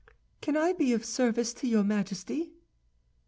"Can I be of service to your Majesty?"